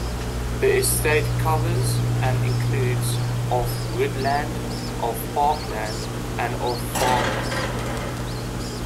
The estate covers and includes: of woodland, of parkland and of farmland.